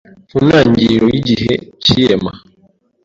mu ntangiriro y’igihe cy’irema,